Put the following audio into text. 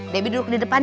debbie duduk di depan ya